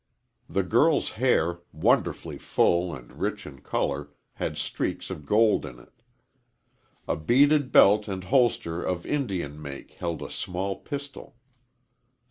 The girl's hair, wonderfully full and rich in color, had streaks of gold in it. A beaded belt and holster of Indian make held a small pistol.